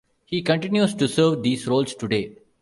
He continues to serve these roles today.